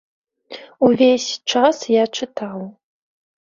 Увесь час я чытаў.